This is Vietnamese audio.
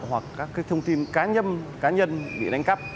hoặc các thông tin cá nhân bị đánh cắp